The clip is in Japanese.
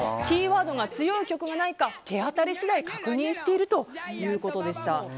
キーワードが強い曲がないか手当たり次第確認しているということでした。